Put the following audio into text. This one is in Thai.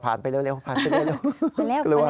ผ่านไปเร็ว